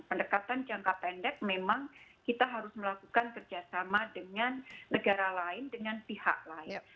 pendekatan jangka pendek memang kita harus melakukan kerjasama dengan negara lain dengan pihak lain